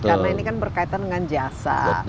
karena ini kan berkaitan dengan jasa